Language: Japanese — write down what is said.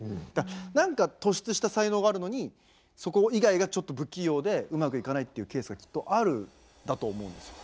何か突出した才能があるのにそこ以外がちょっと不器用でうまくいかないっていうケースがきっとあるんだと思うんですよ。